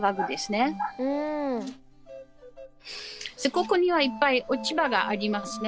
ここにはいっぱい落ち葉がありますね。